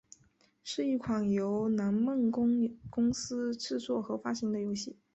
是一款由南梦宫公司制作和发行的游戏。